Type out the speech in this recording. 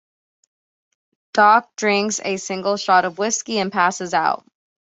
Doc drinks a single shot of whiskey and passes out.